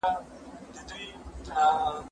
زه کولای سم کتاب وليکم!.!.